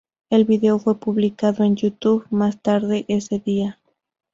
El vídeo fue publicado en YouTube más tarde ese día.